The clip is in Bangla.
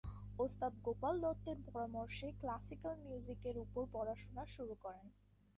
ওস্তাদ গোপাল দত্তের পরামর্শে ক্লাসিক্যাল মিউজিক এর উপর পড়াশোনা শুরু করেন।